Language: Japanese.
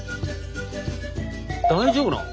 大丈夫なの？